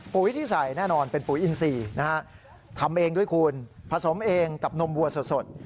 ปลูกวิธีใส่แน่นอนเป็นปลูกอินสี่นะฮะทำเองด้วยคุณผสมเองกับนมบัวสด